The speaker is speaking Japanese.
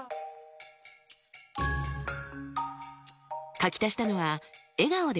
書き足したのは「笑顔でフォロー」。